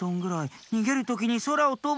にげるときにそらをとぶ。